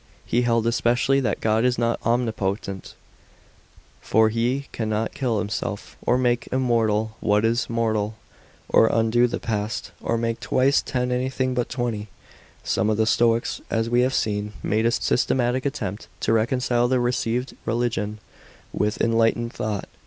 He held especially that God is not omnipotent ; for he cannot kill himself, or make immortal what is mortal, or undo the past, or make twice ten anything but twenty. Some of the Stoics, as we have seen, made a systematic attempt to reconcile the received religion with enlightened thought.